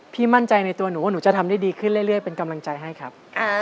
มั่นใจในตัวหนูว่าหนูจะทำได้ดีขึ้นเรื่อยเป็นกำลังใจให้ครับ